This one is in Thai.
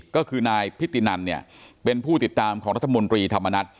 ก็คือนายพิธีนันเนี่ยเป็นผู้ติดตามของรัฐมนตรีธรรมนัฐ